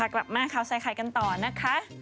กลับมานะคะครับใส่ไข่กันต่อนะคะ